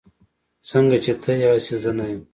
سنګه چې ته يي هسې زه نه يم